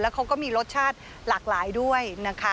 แล้วเขาก็มีรสชาติหลากหลายด้วย